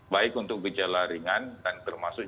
baik untuk gejala ringan dan termasuk